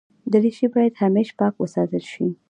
دریشي باید همېشه پاک وساتل شي.